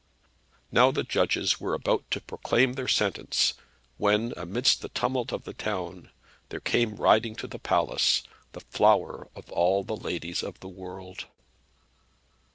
Now the judges were about to proclaim their sentence, when, amidst the tumult of the town, there came riding to the palace the flower of all the ladies of the world.